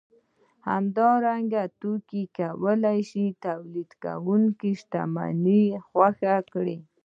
همدارنګه توکي کولای شي تولیدونکی شتمن او خوښ کړي